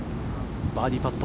バーディーパット。